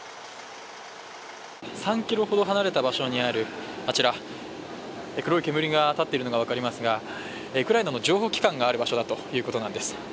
３ｋｍほど離れた場所にあるあちら黒い煙が立っているのが分かりますが、ウクライナの情報機関がある場所だということなんです。